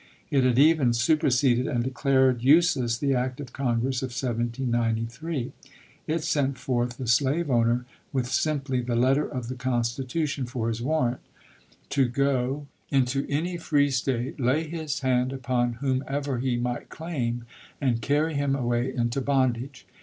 It had even superseded and declared useless the act of Congress of 1793. It sent forth the slave owner with simply the letter of the Constitution for his warrant, to go 24 ABRAHAM LINCOLN chap. ii. into any free State, lay his hand upon whomsoever he might claim and carry him away into bondage.